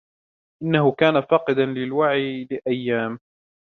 إنه كان فاقداً للوعي لأيام.